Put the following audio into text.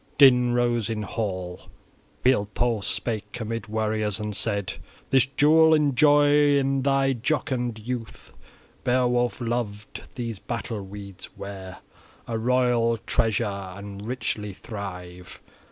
Din rose in hall. Wealhtheow spake amid warriors, and said: "This jewel enjoy in thy jocund youth, Beowulf lov'd, these battle weeds wear, a royal treasure, and richly thrive!